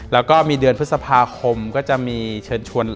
แล้วก็มีเดือนพฤษภาคมก็จะมีเชิญชวน